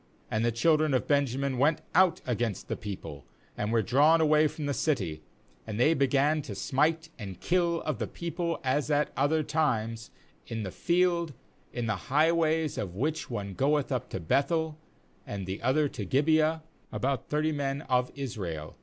^And the children of Benja min went out against the people, and were drawn away from the city; and they began to smite and kill of the people, as at other times, in the field, in the highways, of which one goeth up to Beth el, and the other to Gibeah, about thirty men of Israel.